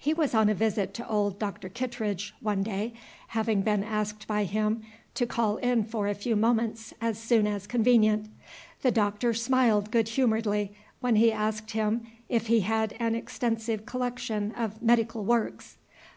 He was on a visit to old Dr. Kittredge one day, having been asked by him to call in for a few moments as soon as convenient. The Doctor smiled good humoredly when he asked him if he had an extensive collection of medical works.